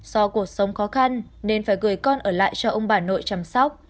do cuộc sống khó khăn nên phải gửi con ở lại cho ông bà nội chăm sóc